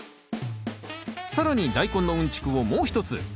更にダイコンのうんちくをもう一つ。